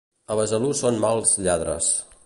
A Besalú són mals lladres.